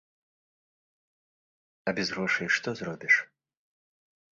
А без грошай што зробіш?